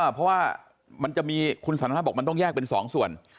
เพราะว่ามันจะมีคุณสันทนาบอกมันต้องแยกเป็น๒ส่วน